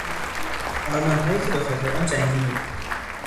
آرمانهایی که به خاطر آن جنگیدیم.